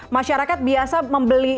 masyarakat biasa berhenti